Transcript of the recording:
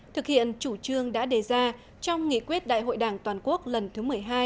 thực hiện chủ trương đã đề ra trong nghị quyết đại hội đảng toàn quốc lần thứ một mươi hai